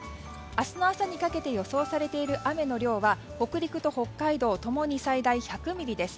明日の朝にかけて予想されている雨の量は、北陸と北海道共に最大１００ミリです。